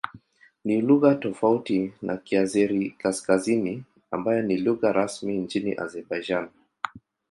Ni lugha tofauti na Kiazeri-Kaskazini ambayo ni lugha rasmi nchini Azerbaijan.